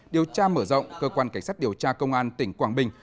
điều tra mở rộng cơ quan cảnh sát điều tra công an tỉnh quảng bình